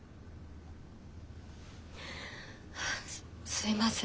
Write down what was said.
すいません。